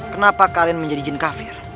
kenapa kalian menjadi jin kafir